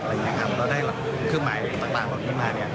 เราได้เครื่องหมายต่างมา